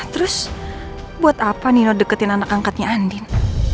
terus buat apa nino deketin anak angkatnya andin